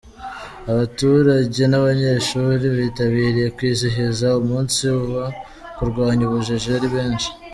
Abaturage n’abanyeshuri bitabiriye kwizihiza umunsi wo kurwanya ubujiji ari benshi.